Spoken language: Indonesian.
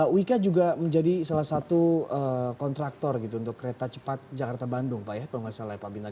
wika juga menjadi salah satu kontraktor gitu untuk kereta cepat jakarta bandung pak ya kalau nggak salah ya pak bina